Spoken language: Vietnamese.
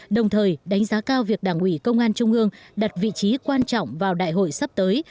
đồng thời đánh giá cao việc đảng ủy công an trung ương đặt vị trí quan trọng vào đại hội sắp tới